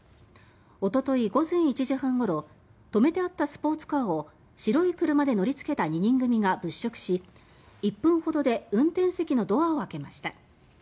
おととい午前１時半ごろとめてあったスポーツカーを白い車で乗りつけた２人組が物色し１分ほどで運転席のドアを開けました。